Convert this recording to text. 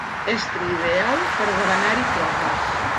Estri ideal per debanar-hi troques.